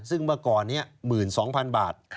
ซึ่งเมื่อก่อนนี้๑๒๐๐๐บาท